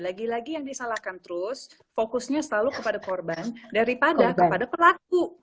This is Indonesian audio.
lagi lagi yang disalahkan terus fokusnya selalu kepada korban daripada kepada pelaku